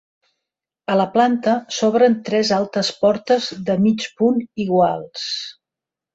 A la planta s'obren tres altes portes de mig punt iguals.